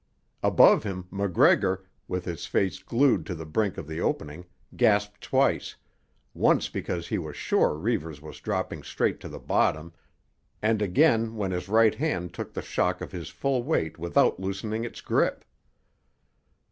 Above him, MacGregor, with his face glued to the brink of the opening, gasped twice, once because he was sure Reivers was dropping straight to the bottom, and again when his right hand took the shock of his full weight without loosening its grip.